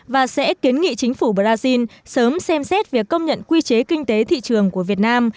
và sẽ kiến nghị chính phủ brazil sớm xem xét việc công nhận quy chế kinh tế thị trường của việt nam